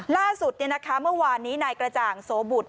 ล่าสุดเนี่ยนะคะเมื่อวานนี้นายกระจ่างโสบุช